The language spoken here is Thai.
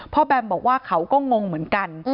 แบมบอกว่าเขาก็งงเหมือนกัน